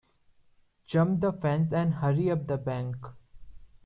Jump the fence and hurry up the bank.